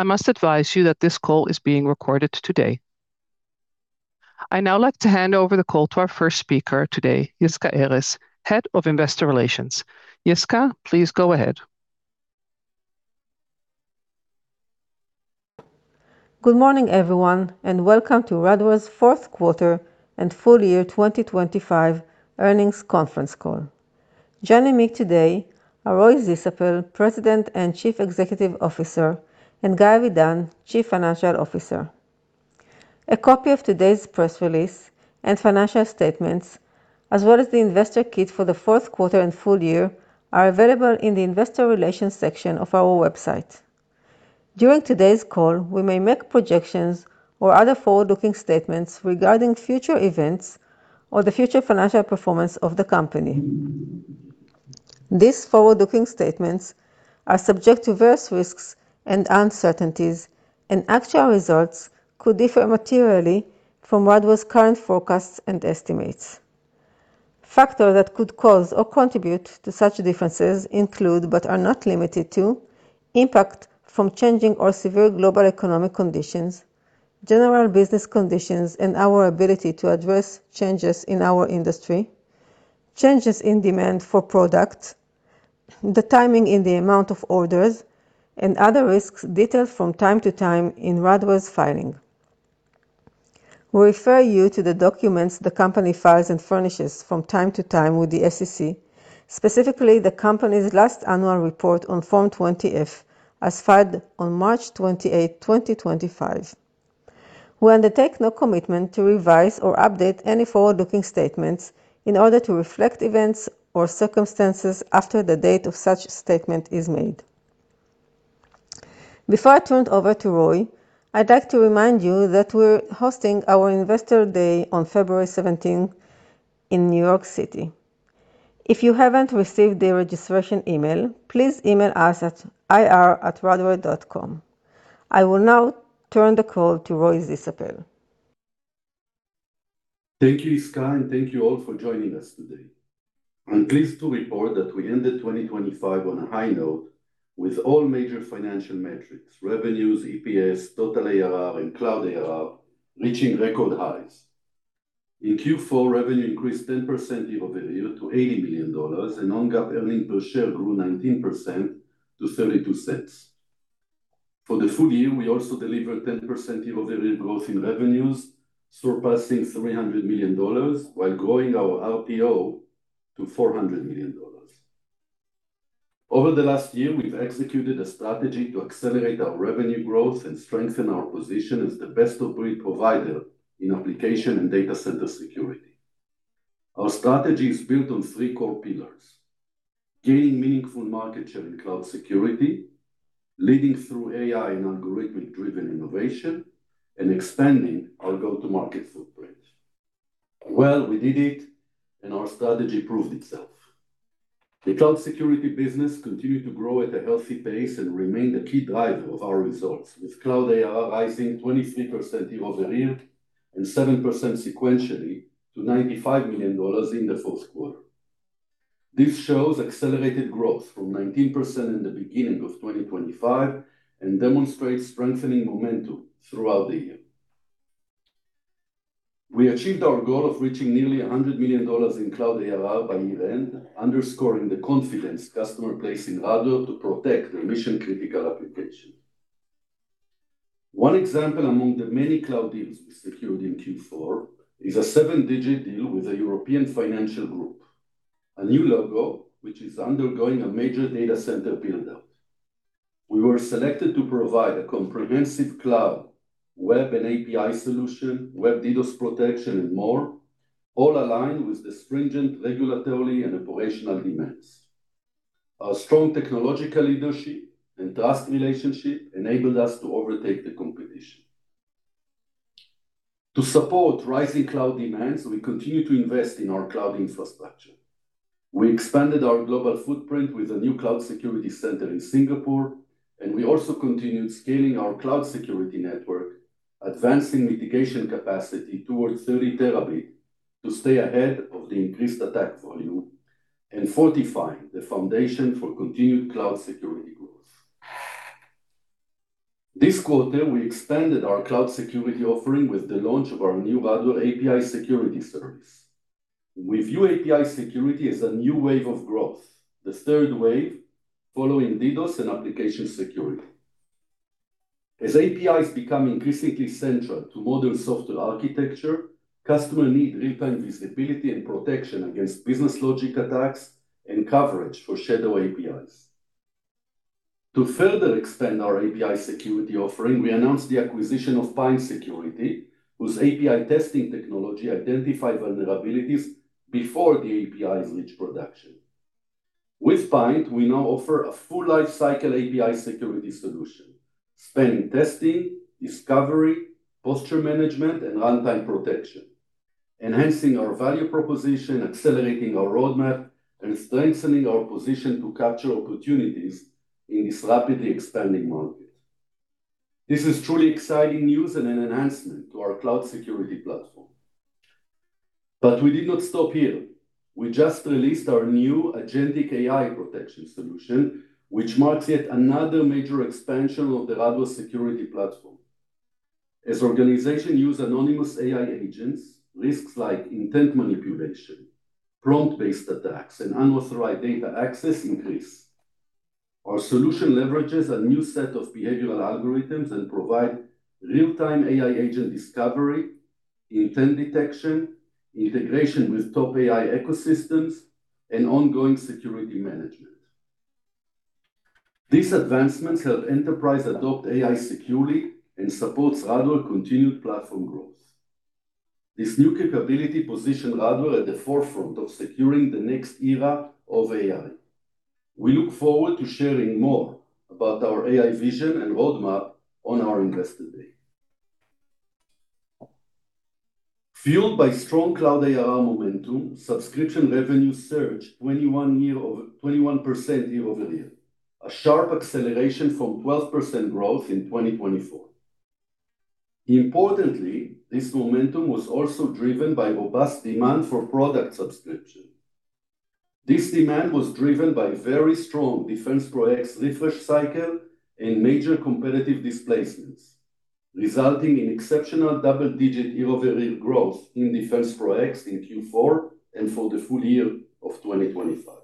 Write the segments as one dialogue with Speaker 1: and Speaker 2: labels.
Speaker 1: I must advise you that this call is being recorded today. I now like to hand over the call to our first speaker today, Yisca Erez, Head of Investor Relations. Yisca, please go ahead.
Speaker 2: Good morning everyone, and welcome to Radware's fourth quarter and full year 2025 earnings conference call. Joining me today are Roy Zisapel, President and Chief Executive Officer, and Guy Avidan, Chief Financial Officer. A copy of today's press release and financial statements, as well as the investor kit for the fourth quarter and full year, are available in the Investor Relations section of our website. During today's call, we may make projections or other forward-looking statements regarding future events or the future financial performance of the company. These forward-looking statements are subject to various risks and uncertainties, and actual results could differ materially from Radware's current forecasts and estimates. Factors that could cause or contribute to such differences include but are not limited to: impact from changing or severe global economic conditions, general business conditions, and our ability to address changes in our industry, changes in demand for products, the timing in the amount of orders, and other risks detailed from time to time in Radware's filing. We refer you to the documents the company files and furnishes from time to time with the SEC, specifically the company's last annual report on Form 20-F as filed on March 28, 2025. We undertake no commitment to revise or update any forward-looking statements in order to reflect events or circumstances after the date of such statement is made. Before I turn it over to Roy, I'd like to remind you that we're hosting our Investor Day on February 17 in New York City. If you haven't received the registration email, please email us at ir@radware.com. I will now turn the call to Roy Zisapel.
Speaker 3: Thank you, Yisca, and thank you all for joining us today. I'm pleased to report that we ended 2025 on a high note with all major financial metrics, revenues, EPS, total ARR, and cloud ARR, reaching record highs. In Q4, revenue increased 10% year-over-year to $80 million, and non-GAAP earnings per share grew 19% to $0.32. For the full year, we also delivered 10% year-over-year growth in revenues, surpassing $300 million, while growing our RPO to $400 million. Over the last year, we've executed a strategy to accelerate our revenue growth and strengthen our position as the best-of-breed provider in application and data center security. Our strategy is built on three core pillars: gaining meaningful market share in cloud security, leading through AI and algorithmic-driven innovation, and expanding our go-to-market footprint. Well, we did it, and our strategy proved itself. The cloud security business continued to grow at a healthy pace and remained a key driver of our results, with cloud ARR rising 23% year-over-year and 7% sequentially to $95 million in the fourth quarter. This shows accelerated growth from 19% in the beginning of 2025 and demonstrates strengthening momentum throughout the year. We achieved our goal of reaching nearly $100 million in cloud ARR by year-end, underscoring the confidence customers place in Radware to protect their mission-critical applications. One example among the many cloud deals we secured in Q4 is a seven-digit deal with a European financial group, a new logo which is undergoing a major data center buildout. We were selected to provide a comprehensive cloud web and API solution, web DDoS protection, and more, all aligned with the stringent regulatory and operational demands. Our strong technological leadership and trust relationship enabled us to overtake the competition. To support rising cloud demands, we continue to invest in our cloud infrastructure. We expanded our global footprint with a new cloud security center in Singapore, and we also continued scaling our cloud security network, advancing mitigation capacity towards 30 terabits to stay ahead of the increased attack volume and fortifying the foundation for continued cloud security growth. This quarter, we expanded our cloud security offering with the launch of our new Radware API Security Service. We view API security as a new wave of growth, the third wave following DDoS and application security. As APIs become increasingly central to modern software architecture, customers need real-time visibility and protection against business logic attacks and coverage for shadow APIs. To further expand our API security offering, we announced the acquisition of Pynt, whose API testing technology identified vulnerabilities before the APIs reached production. With Pynt, we now offer a full-life cycle API security solution, spanning testing, discovery, posture management, and runtime protection, enhancing our value proposition, accelerating our roadmap, and strengthening our position to capture opportunities in this rapidly expanding market. This is truly exciting news and an enhancement to our cloud security platform. But we did not stop here. We just released our new Agentic AI Protection solution, which marks yet another major expansion of the Radware security platform. As organizations use agentic AI agents, risks like intent manipulation, prompt-based attacks, and unauthorized data access increase. Our solution leverages a new set of behavioral algorithms and provides real-time AI agent discovery, intent detection, integration with top AI ecosystems, and ongoing security management. These advancements help enterprises adopt AI securely and support Radware's continued platform growth. This new capability positions Radware at the forefront of securing the next era of AI. We look forward to sharing more about our AI vision and roadmap on our investor day. Fueled by strong cloud ARR momentum, subscription revenues surged 21% year-over-year, a sharp acceleration from 12% growth in 2024. Importantly, this momentum was also driven by robust demand for product subscriptions. This demand was driven by very strong defense products refresh cycles and major competitive displacements, resulting in exceptional double-digit year-over-year growth in defense products in Q4 and for the full year of 2025.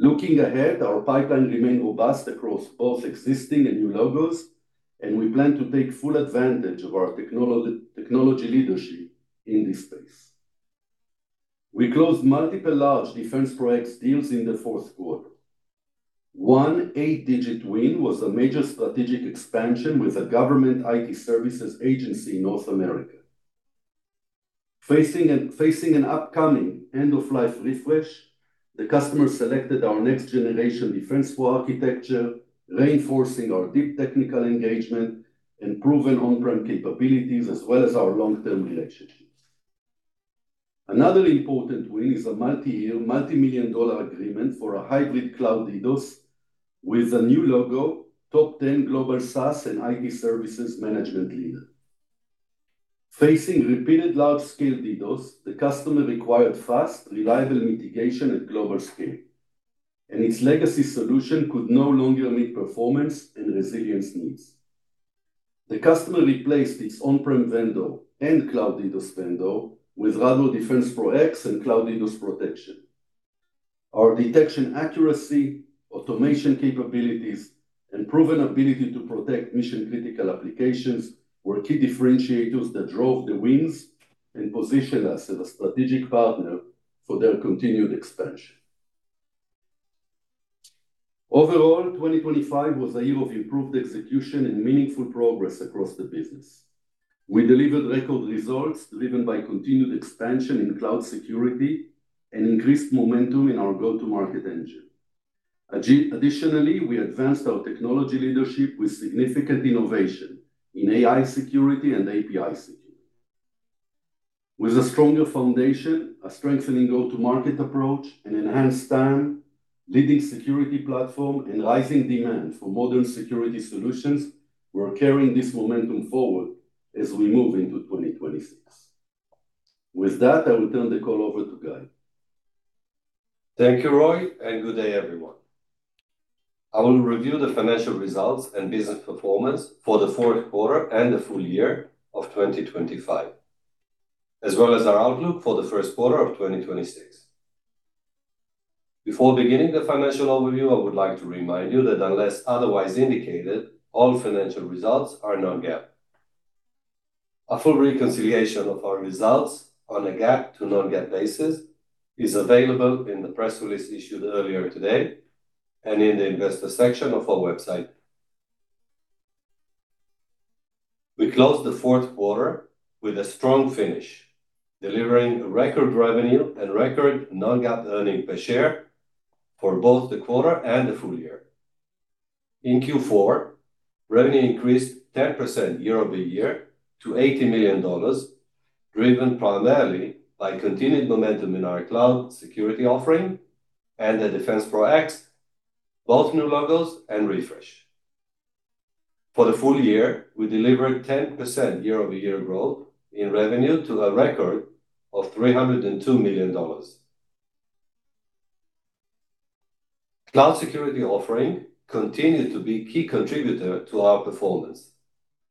Speaker 3: Looking ahead, our pipeline remains robust across both existing and new logos, and we plan to take full advantage of our technology leadership in this space. We closed multiple large defense products deals in the fourth quarter. One eight-digit win was a major strategic expansion with a government IT services agency in North America. Facing an upcoming end-of-life refresh, the customers selected our next-generation defense architecture, reinforcing our deep technical engagement and proven on-prem capabilities, as well as our long-term relationships. Another important win is a multi-million-dollar agreement for a hybrid cloud DDoS with a new logo, top 10 global SaaS and IT services management leader. Facing repeated large-scale DDoS, the customer required fast, reliable mitigation at global scale, and its legacy solution could no longer meet performance and resilience needs. The customer replaced its on-prem vendor and cloud DDoS vendor with Radware defense products and cloud DDoS protection. Our detection accuracy, automation capabilities, and proven ability to protect mission-critical applications were key differentiators that drove the wins and positioned us as a strategic partner for their continued expansion. Overall, 2025 was a year of improved execution and meaningful progress across the business. We delivered record results driven by continued expansion in cloud security and increased momentum in our go-to-market engine. Additionally, we advanced our technology leadership with significant innovation in AI security and API security. With a stronger foundation, a strengthening go-to-market approach, and enhanced TAM, leading security platform, and rising demand for modern security solutions, we're carrying this momentum forward as we move into 2026. With that, I will turn the call over to Guy.
Speaker 4: Thank you, Roy, and good day everyone. I will review the financial results and business performance for the fourth quarter and the full year of 2025, as well as our outlook for the first quarter of 2026. Before beginning the financial overview, I would like to remind you that unless otherwise indicated, all financial results are Non-GAAP. A full reconciliation of our results on a GAAP-to-Non-GAAP basis is available in the press release issued earlier today and in the investor section of our website. We closed the fourth quarter with a strong finish, delivering record revenue and record Non-GAAP earnings per share for both the quarter and the full year. In Q4, revenue increased 10% year-over-year to $80 million, driven primarily by continued momentum in our cloud security offering and the Defense Products, both new logos and refresh. For the full year, we delivered 10% year-over-year growth in revenue to a record of $302 million. Cloud security offering continued to be a key contributor to our performance.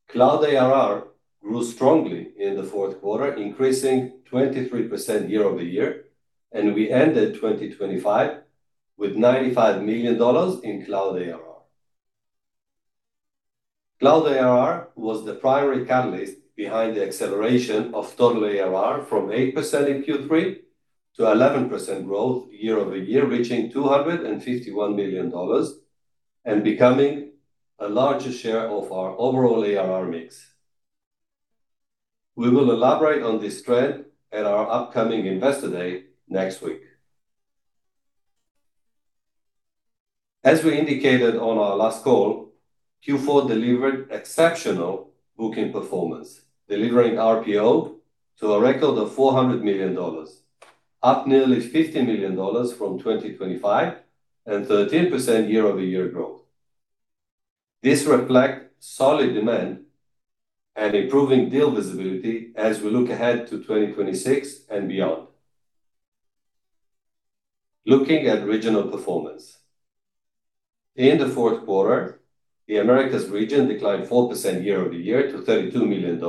Speaker 4: Cloud ARR grew strongly in the fourth quarter, increasing 23% year-over-year, and we ended 2025 with $95 million in cloud ARR. Cloud ARR was the primary catalyst behind the acceleration of total ARR from 8% in Q3 to 11% growth year-over-year, reaching $251 million and becoming a larger share of our overall ARR mix. We will elaborate on this trend at our upcoming investor day next week. As we indicated on our last call, Q4 delivered exceptional booking performance, delivering RPO to a record of $400 million, up nearly $50 million from 2025, and 13% year-over-year growth. This reflects solid demand and improving deal visibility as we look ahead to 2026 and beyond. Looking at regional performance. In the fourth quarter, the Americas region declined 4% year-over-year to $32 million,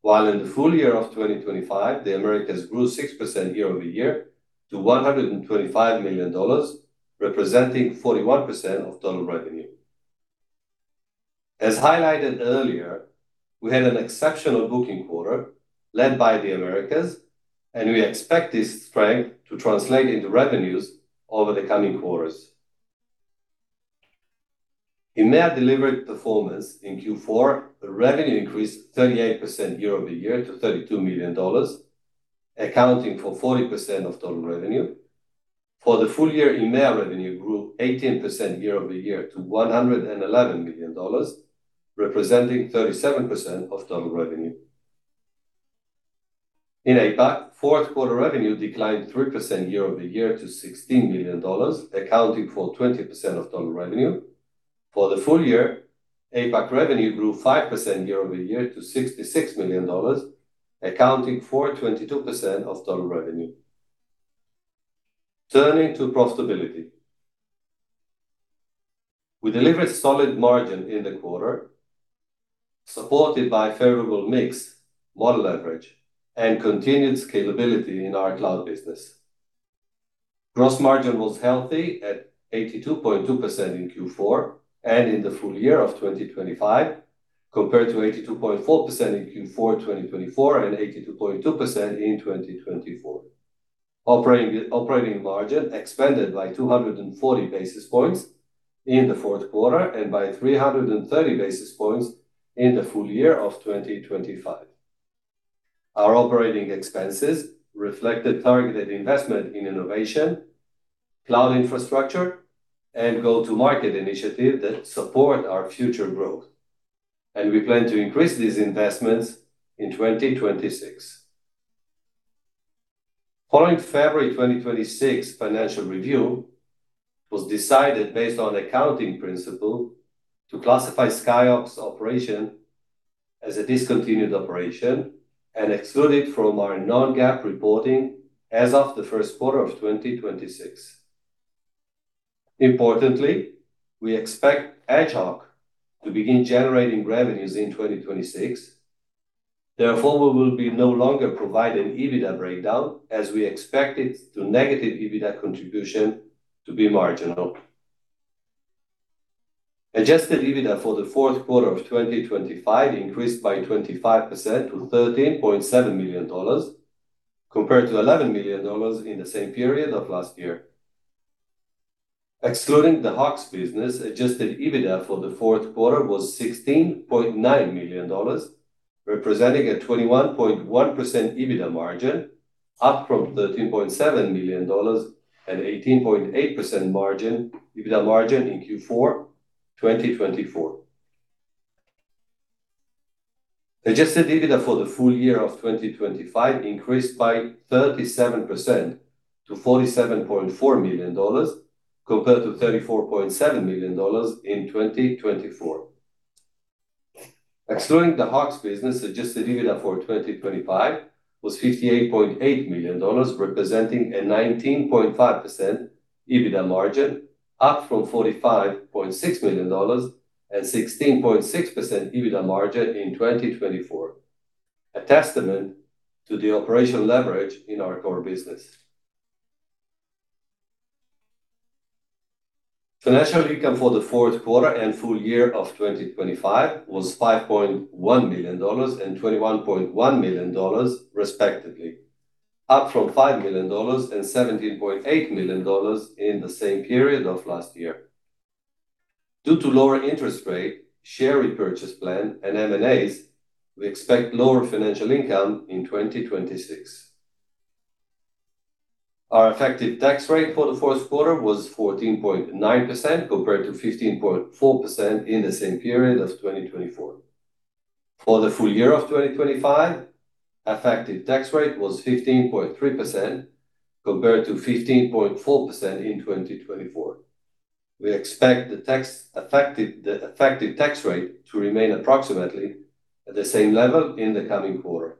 Speaker 4: while in the full year of 2025, the Americas grew 6% year-over-year to $125 million, representing 41% of total revenue. As highlighted earlier, we had an exceptional booking quarter led by the Americas, and we expect this strength to translate into revenues over the coming quarters. EMEA delivered performance in Q4, revenue increased 38% year-over-year to $32 million, accounting for 40% of total revenue. For the full year, in EMEA revenue grew 18% year-over-year to $111 million, representing 37% of total revenue. In APAC, fourth quarter revenue declined 3% year-over-year to $16 million, accounting for 20% of total revenue. For the full year, APAC revenue grew 5% year-over-year to $66 million, accounting for 22% of total revenue. Turning to profitability. We delivered solid margin in the quarter, supported by a favorable mix model leverage and continued scalability in our cloud business. Gross margin was healthy at 82.2% in Q4 and in the full year of 2025, compared to 82.4% in Q4 2024 and 82.2% in 2024. Operating margin expanded by 240 basis points in the fourth quarter and by 330 basis points in the full year of 2025. Our operating expenses reflected targeted investment in innovation, cloud infrastructure, and go-to-market initiatives that support our future growth, and we plan to increase these investments in 2026. Following February 2026 financial review, it was decided based on accounting principle to classify SkyHawk Security operation as a discontinued operation and exclude it from our Non-GAAP reporting as of the first quarter of 2026. Importantly, we expect SkyHawk Security to begin generating revenues in 2026. Therefore, we will no longer provide an EBITDA breakdown, as we expected the negative EBITDA contribution to be marginal. Adjusted EBITDA for the fourth quarter of 2025 increased by 25% to $13.7 million, compared to $11 million in the same period of last year. Excluding the SkyHawk business, adjusted EBITDA for the fourth quarter was $16.9 million, representing a 21.1% EBITDA margin, up from $13.7 million and 18.8% EBITDA margin in Q4 2024. Adjusted EBITDA for the full year of 2025 increased by 37% to $47.4 million, compared to $34.7 million in 2024. Excluding the SkyHawk business, adjusted EBITDA for 2025 was $58.8 million, representing a 19.5% EBITDA margin, up from $45.6 million and 16.6% EBITDA margin in 2024, a testament to the operational leverage in our core business. Financial income for the fourth quarter and full year of 2025 was $5.1 million and $21.1 million, respectively, up from $5 million and $17.8 million in the same period of last year. Due to lower interest rate, share repurchase plan, and M&As, we expect lower financial income in 2026. Our effective tax rate for the fourth quarter was 14.9%, compared to 15.4% in the same period of 2024. For the full year of 2025, effective tax rate was 15.3%, compared to 15.4% in 2024. We expect the effective tax rate to remain approximately at the same level in the coming quarter.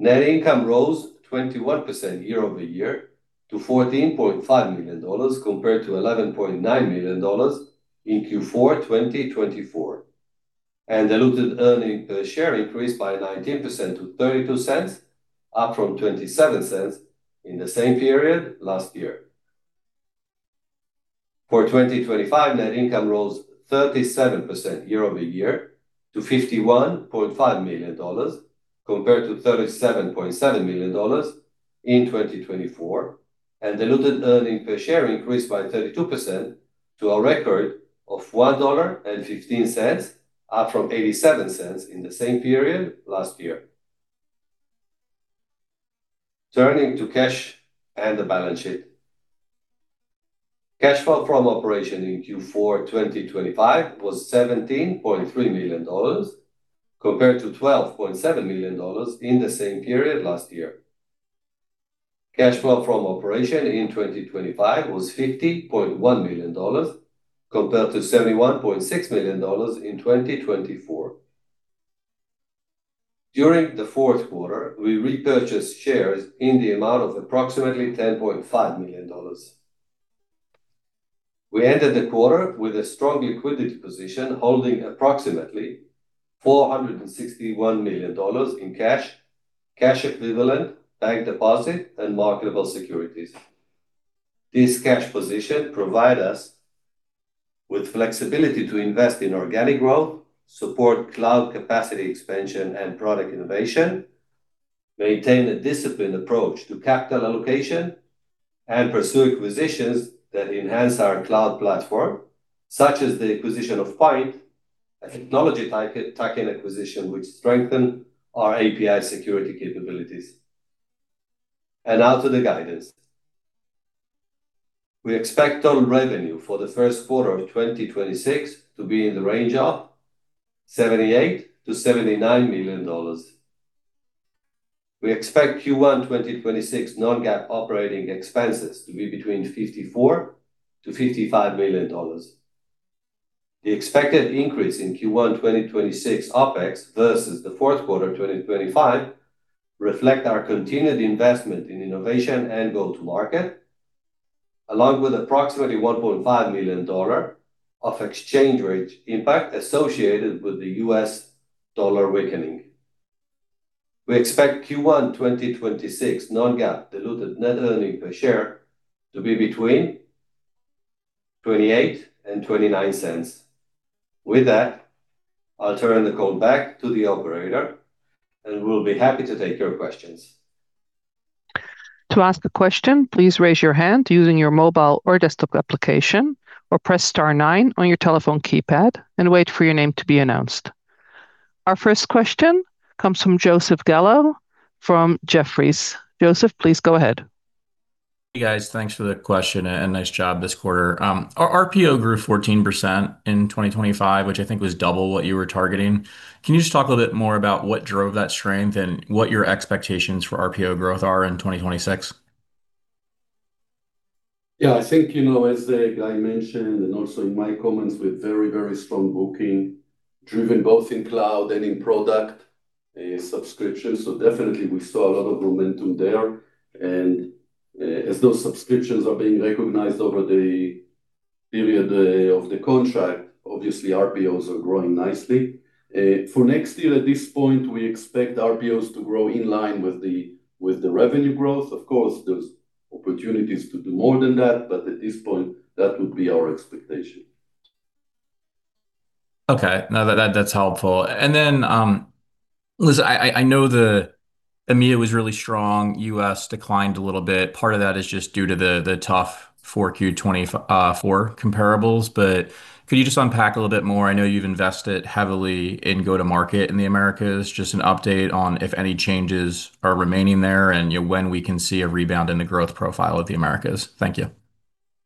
Speaker 4: Net income rose 21% year-over-year to $14.5 million, compared to $11.9 million in Q4 2024, and diluted earnings per share increased by 19% to $0.32, up from $0.27 in the same period last year. For 2025, net income rose 37% year-over-year to $51.5 million, compared to $37.7 million in 2024, and diluted earnings per share increased by 32% to a record of $1.15, up from $0.87 in the same period last year. Turning to cash and the balance sheet. Cash flow from operations in Q4 2025 was $17.3 million, compared to $12.7 million in the same period last year. Cash flow from operations in 2025 was $50.1 million, compared to $71.6 million in 2024. During the fourth quarter, we repurchased shares in the amount of approximately $10.5 million. We ended the quarter with a strong liquidity position holding approximately $461 million in cash, cash equivalents, bank deposits, and marketable securities. This cash position provided us with flexibility to invest in organic growth, support cloud capacity expansion and product innovation, maintain a disciplined approach to capital allocation, and pursue acquisitions that enhance our cloud platform, such as the acquisition of Pynt, a technology tuck-in acquisition which strengthened our API security capabilities. And now to the guidance. We expect total revenue for the first quarter of 2026 to be in the range of 78 to $79 million. We expect Q1 2026 non-GAAP operating expenses to be between 54 to $55 million. The expected increase in Q1 2026 OPEX versus the fourth quarter 2025 reflects our continued investment in innovation and go-to-market, along with approximately $1.5 million of exchange rate impact associated with the US dollar weakening. We expect Q1 2026 non-GAAP diluted net earnings per share to be between 0.28 to $0.29. With that, I'll turn the call back to the operator, and we'll be happy to take your questions.
Speaker 1: To ask a question, please raise your hand using your mobile or desktop application, or press star 9 on your telephone keypad and wait for your name to be announced. Our first question comes from Joseph Gallo from Jefferies. Joseph, please go ahead.
Speaker 5: Hey, guys. Thanks for the question and nice job this quarter. Our RPO grew 14% in 2025, which I think was double what you were targeting. Can you just talk a little bit more about what drove that strength and what your expectations for RPO growth are in 2026?
Speaker 3: Yeah. I think, as Guy mentioned and also in my comments, with very, very strong booking driven both in cloud and in product subscriptions. So definitely, we saw a lot of momentum there. And as those subscriptions are being recognized over the period of the contract, obviously, RPOs are growing nicely. For next year, at this point, we expect RPOs to grow in line with the revenue growth. Of course, there's opportunities to do more than that, but at this point, that would be our expectation.
Speaker 5: Okay. No, that's helpful. And then, listen, I know the EMEA was really strong. U.S. declined a little bit. Part of that is just due to the tough 4Q24 comparables. But could you just unpack a little bit more? I know you've invested heavily in go-to-market in the Americas. Just an update on if any changes are remaining there and when we can see a rebound in the growth profile of the Americas. Thank you.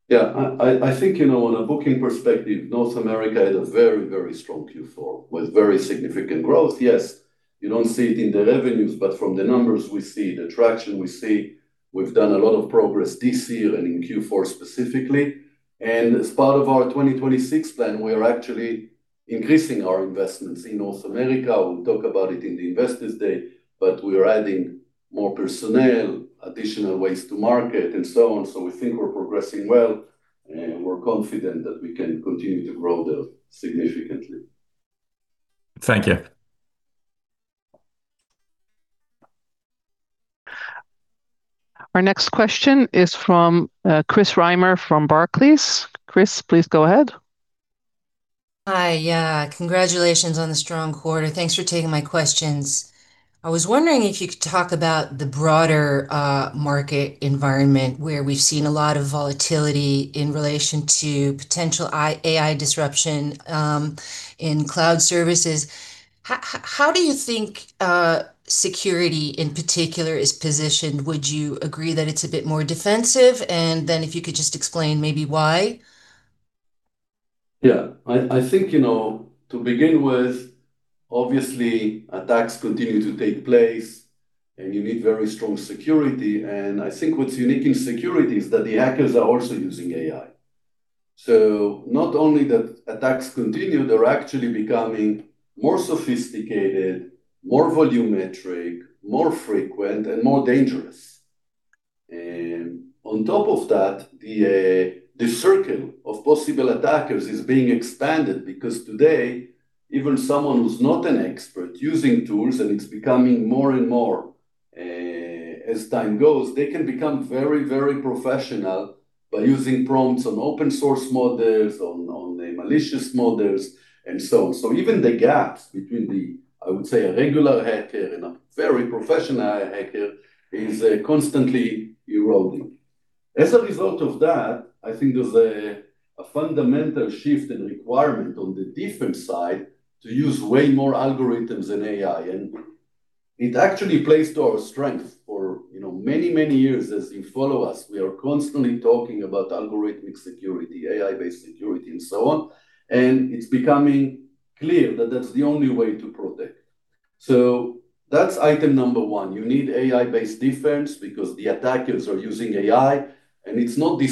Speaker 3: Yeah. I think, from a booking perspective, North America had a very, very strong Q4 with very significant growth. Yes, you don't see it in the revenues, but from the numbers, we see the traction we see. We've done a lot of progress this year and in Q4 specifically. And as part of our 2026 plan, we are actually increasing our investments in North America. We'll talk about it in the Investor Day, but we are adding more personnel, additional ways to market, and so on. So we think we're progressing well, and we're confident that we can continue to grow there significantly.
Speaker 5: Thank you.
Speaker 1: Our next question is from Chris Reimer from Barclays. Chris, please go ahead.
Speaker 6: Hi. Congratulations on the strong quarter. Thanks for taking my questions. I was wondering if you could talk about the broader market environment where we've seen a lot of volatility in relation to potential AI disruption in cloud services? How do you think security in particular is positioned? Would you agree that it's a bit more defensive? And then if you could just explain maybe why?
Speaker 3: Yeah. I think, to begin with, obviously, attacks continue to take place, and you need very strong security. And I think what's unique in security is that the hackers are also using AI. So not only that attacks continue, they're actually becoming more sophisticated, more volumetric, more frequent, and more dangerous. And on top of that, the circle of possible attackers is being expanded because today, even someone who's not an expert using tools, and it's becoming more and more as time goes, they can become very, very professional by using prompts on open-source models, on malicious models, and so on. So even the gaps between the, I would say, a regular hacker and a very professional hacker is constantly eroding. As a result of that, I think there's a fundamental shift and requirement on the different side to use way more algorithms than AI. And it actually plays to our strength for many, many years. As you follow us, we are constantly talking about algorithmic security, AI-based security, and so on. And it's becoming clear that that's the only way to protect. So that's item number one. You need AI-based defense because the attackers are using AI. And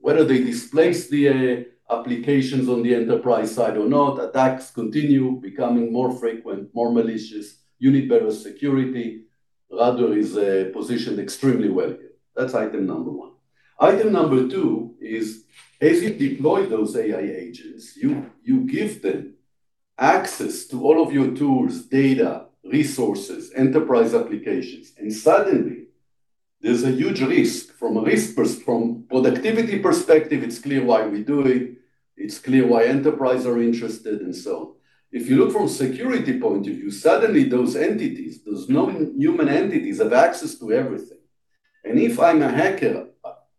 Speaker 3: whether they displace the applications on the enterprise side or not, attacks continue, becoming more frequent, more malicious. You need better security. Radware is positioned extremely well here. That's item number one. Item number two is, as you deploy those AI agents, you give them access to all of your tools, data, resources, enterprise applications. And suddenly, there's a huge risk. From a productivity perspective, it's clear why we do it. It's clear why enterprise are interested, and so on. If you look from a security point of view, suddenly, those entities, those non-human entities have access to everything. And if I'm a hacker,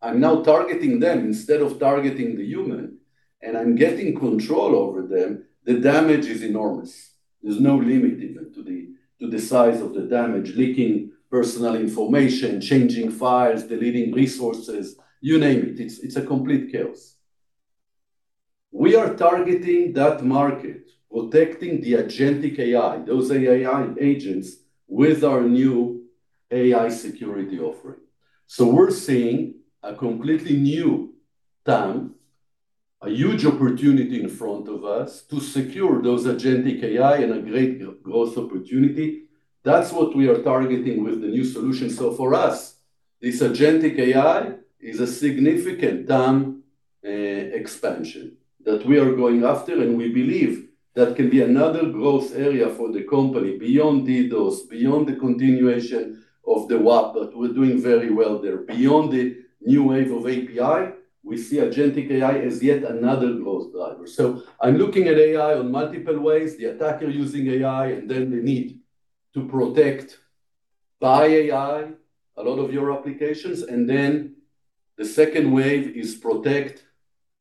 Speaker 3: I'm now targeting them instead of targeting the human, and I'm getting control over them, the damage is enormous. There's no limit even to the size of the damage, leaking personal information, changing files, deleting resources, you name it. It's a complete chaos. We are targeting that market, protecting the Agentic AI, those AI agents, with our new AI security offering. So we're seeing a completely new TAM, a huge opportunity in front of us to secure those Agentic AI and a great growth opportunity. That's what we are targeting with the new solution. So for us, this agentic AI is a significant TAM expansion that we are going after, and we believe that can be another growth area for the company beyond DDoS, beyond the continuation of the WAAP, but we're doing very well there. Beyond the new wave of API, we see agentic AI as yet another growth driver. So I'm looking at AI on multiple ways, the attacker using AI, and then the need to protect by AI a lot of your applications. And then the second wave is protect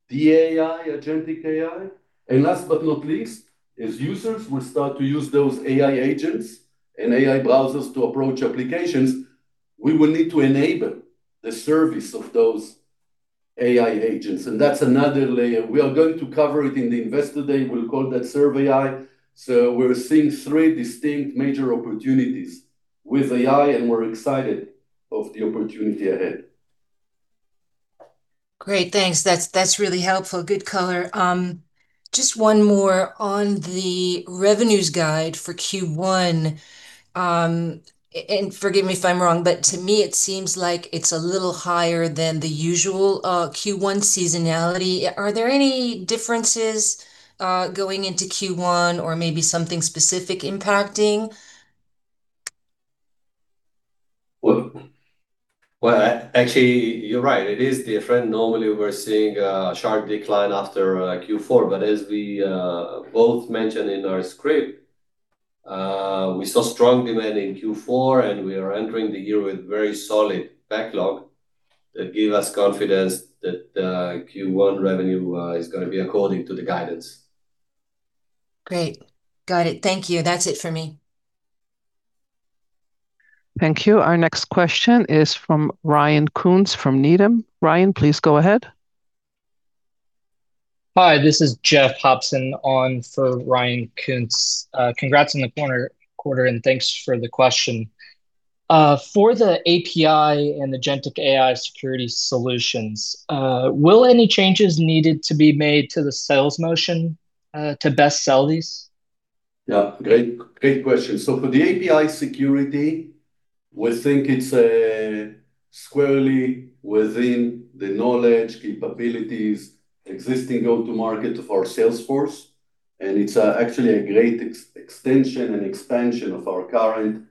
Speaker 3: the AI, agentic AI. And last but not least, as users will start to use those AI agents and AI browsers to approach applications, we will need to enable the service of those AI agents. And that's another layer. We are going to cover it in the Investor Day. We'll call that Survey AI. We're seeing three distinct major opportunities with AI, and we're excited about the opportunity ahead.
Speaker 6: Great. Thanks. That's really helpful. Good color. Just one more on the revenues guide for Q1. And forgive me if I'm wrong, but to me, it seems like it's a little higher than the usual Q1 seasonality. Are there any differences going into Q1 or maybe something specific impacting?
Speaker 3: Well, actually, you're right. It is different. Normally, we're seeing a sharp decline after Q4. But as we both mentioned in our script, we saw strong demand in Q4, and we are entering the year with very solid backlog that gave us confidence that Q1 revenue is going to be according to the guidance.
Speaker 6: Great. Got it. Thank you. That's it for me.
Speaker 1: Thank you. Our next question is from Ryan Koontz from Needham. Ryan, please go ahead.
Speaker 7: Hi. This is Jeff Hopson on for Ryan Koontz. Congrats on the quarter, and thanks for the question. For the API and Agentic AI security solutions, will any changes needed to be made to the sales motion to best sell these?
Speaker 3: Yeah. Great question. So for the API security, we think it's squarely within the knowledge, capabilities, existing go-to-market of our Salesforce. And it's actually a great extension and expansion of our current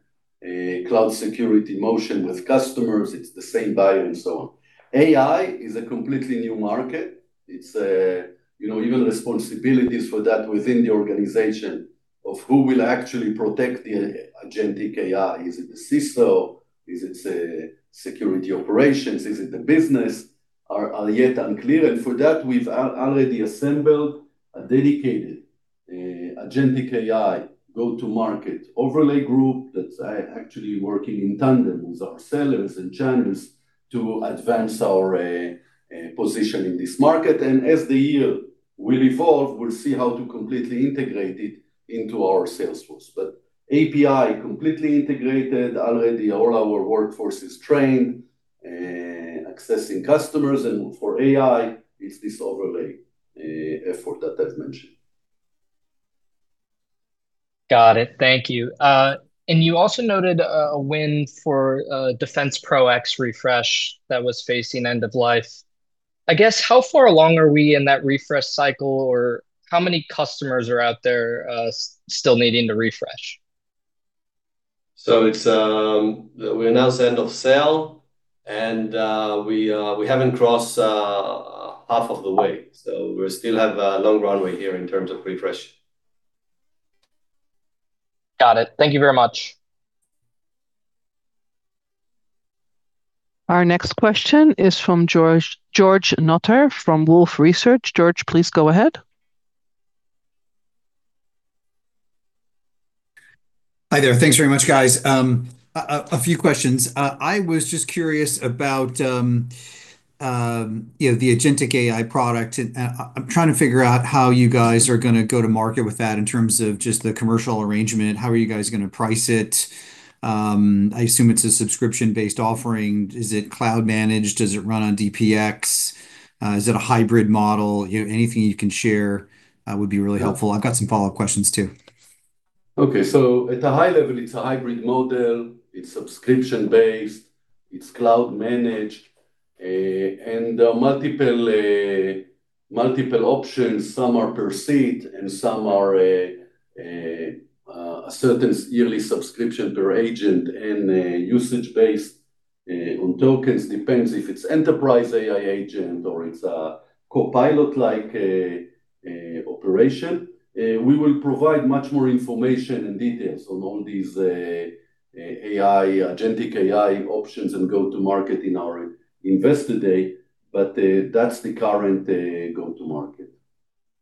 Speaker 3: cloud security motion with customers. It's the same buyer and so on. AI is a completely new market. Even responsibilities for that within the organization of who will actually protect the Agentic AI? Is it the CISO? Is it security operations? Is it the business? Are yet unclear. And for that, we've already assembled a dedicated Agentic AI go-to-market overlay group that's actually working in tandem with our sellers and channels to advance our position in this market. And as the year will evolve, we'll see how to completely integrate it into our Salesforce. But API completely integrated, already all our workforce is trained accessing customers. And for AI, it's this overlay effort that I've mentioned.
Speaker 7: Got it. Thank you. And you also noted a win for DefensePro X refresh that was facing end of life. I guess, how far along are we in that refresh cycle, or how many customers are out there still needing to refresh?
Speaker 3: We're now at the end of sale, and we haven't crossed half of the way. We still have a long runway here in terms of refresh.
Speaker 7: Got it. Thank you very much.
Speaker 1: Our next question is from George Notter from Wolfe Research. George, please go ahead.
Speaker 8: Hi there. Thanks very much, guys. A few questions. I was just curious about the Agentic AI product. I'm trying to figure out how you guys are going to go to market with that in terms of just the commercial arrangement. How are you guys going to price it? I assume it's a subscription-based offering. Is it cloud-managed? Does it run on DPX? Is it a hybrid model? Anything you can share would be really helpful. I've got some follow-up questions too.
Speaker 3: Okay. So at the high level, it's a hybrid model. It's subscription-based. It's cloud-managed. And there are multiple options. Some are per seat, and some are a certain yearly subscription per agent and usage-based on tokens. Depends if it's enterprise AI agent or it's a co-pilot-like operation. We will provide much more information and details on all these Agentic AI options and go-to-market in our Investor Day. But that's the current go-to-market.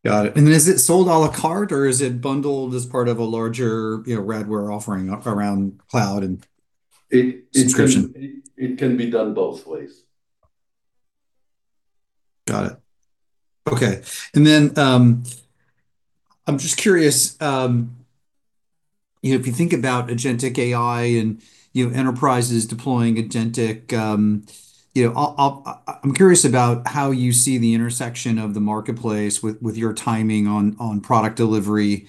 Speaker 8: Got it. And then is it sold à la carte, or is it bundled as part of a larger Radware offering around cloud and subscription?
Speaker 3: It can be done both ways.
Speaker 8: Got it. Okay. Then I'm just curious, if you think about Agentic AI and enterprises deploying Agentic, I'm curious about how you see the intersection of the marketplace with your timing on product delivery.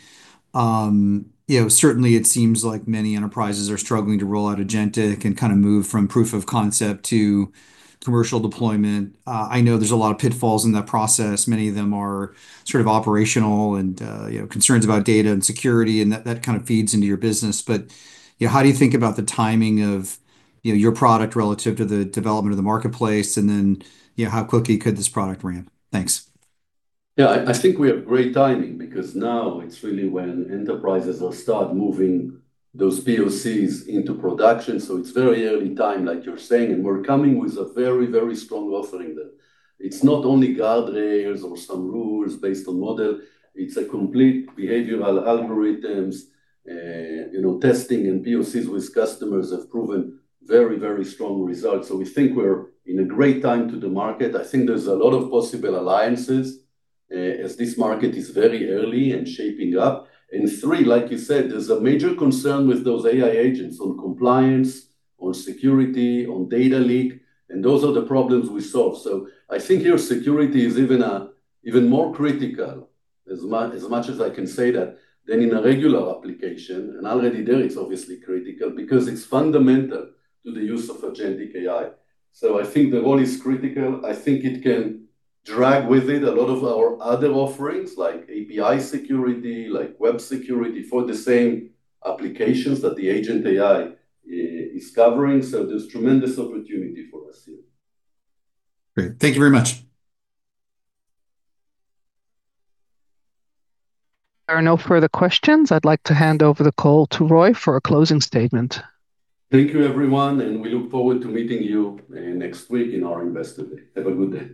Speaker 8: Certainly, it seems like many enterprises are struggling to roll out Agentic and kind of move from proof of concept to commercial deployment. I know there's a lot of pitfalls in that process. Many of them are sort of operational and concerns about data and security, and that kind of feeds into your business. But how do you think about the timing of your product relative to the development of the marketplace, and then how quickly could this product ramp? Thanks.
Speaker 3: Yeah. I think we have great timing because now it's really when enterprises will start moving those POCs into production. So it's very early time, like you're saying. And we're coming with a very, very strong offering there. It's not only guardrails or some rules based on model. It's complete behavioral algorithms, testing, and POCs with customers have proven very, very strong results. So we think we're in a great time to the market. I think there's a lot of possible alliances as this market is very early and shaping up. And three, like you said, there's a major concern with those AI agents on compliance, on security, on data leak. And those are the problems we solve. So I think your security is even more critical, as much as I can say that, than in a regular application. Already there, it's obviously critical because it's fundamental to the use of Agentic AI. I think the role is critical. I think it can drag with it a lot of our other offerings like API security, like web security for the same applications that the Agentic AI is covering. There's tremendous opportunity for us here.
Speaker 8: Great. Thank you very much.
Speaker 1: There are no further questions. I'd like to hand over the call to Roy for a closing statement.
Speaker 3: Thank you, everyone. We look forward to meeting you next week in our Investor Day. Have a good day.